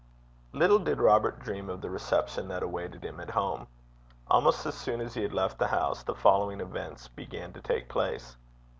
Little did Robert dream of the reception that awaited him at home. Almost as soon as he had left the house, the following events began to take place.